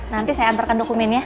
nanti saya antarkan dokumennya